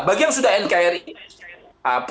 bagi yang sudah nkri